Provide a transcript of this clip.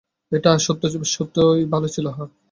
এটা সত্যিই ভাল ছিল - হ্যা?